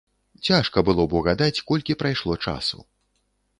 Цяжка было б угадаць, колькі прайшло часу.